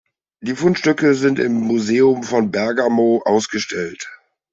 Die Fundstücke sind im Museum von Bergamo ausgestellt.